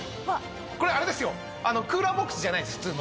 これあれですよクーラーボックスじゃないです普通の。